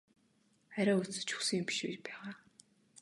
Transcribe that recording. Арай өлсөж үхсэн юм биш байгаа?